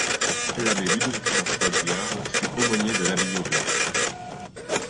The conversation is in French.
L'abbé Ludovic-François Douillard fut aumônier de l'Abbaye-aux-Bois.